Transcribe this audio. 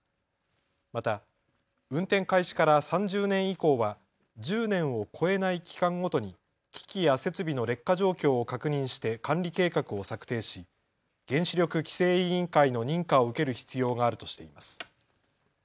また運転開始から３０年以降は１０年を超えない期間ごとに機器や設備の劣化状況を確認して管理計画を策定し原子力規制委員会の認可を受ける必要があるとしています。